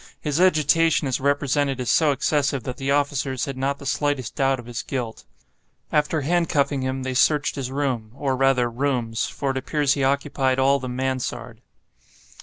His agitation is represented as so excessive that the officers had not the slightest doubt of his guilt. After hand cuffing him, they searched his room, or rather rooms, for it appears he occupied all the mansarde.